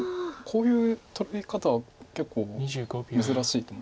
こういう取られ方は結構珍しいと。